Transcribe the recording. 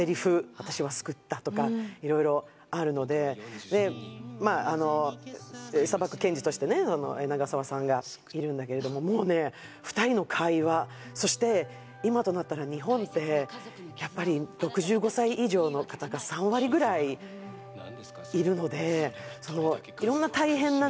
「私は救った」とか色々あるのででまあ裁く検事としてね長澤さんがいるんだけれどももうね２人の会話そして今となったら日本ってやっぱり６５歳以上の方が３割ぐらいいるので色んな大変なね